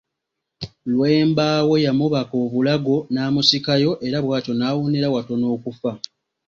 Lwembaawo yamubaka obulago n’amusikayo era bwatyo naawonera watono okufa.